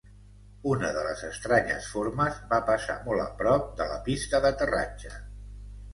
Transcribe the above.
Una de les estranyes formes va passar molt a prop de la pista d'aterratge.